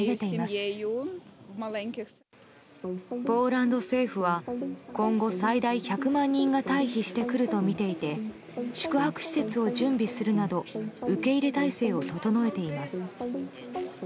ポーランド政府は今後、最大１００万人が退避してくるとみていて宿泊施設を準備するなど受け入れ態勢を整えています。